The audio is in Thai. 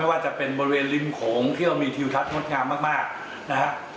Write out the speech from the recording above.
ว่าจะเป็นบริเวณริมโขงที่เรามีทิวทัศน์งดงามมากนะฮะ